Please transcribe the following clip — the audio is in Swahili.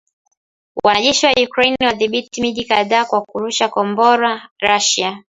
Wanajeshi wa Ukraine wadhibithi miji kadhaa na kurusha Kombora Russia